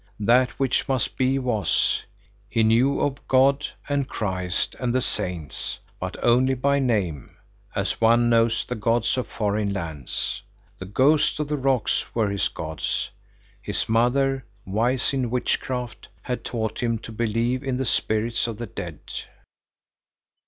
That which must be, was. He knew of God and Christ and the saints, but only by name, as one knows the gods of foreign lands. The ghosts of the rocks were his gods. His mother, wise in witchcraft, had taught him to believe in the spirits of the dead.